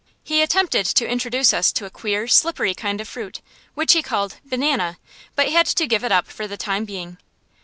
He attempted to introduce us to a queer, slippery kind of fruit, which he called "banana," but had to give it up for the time being.